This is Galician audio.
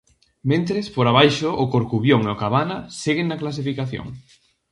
Mentres, por abaixo, o Corcubión e o Cabana seguen na clasificación.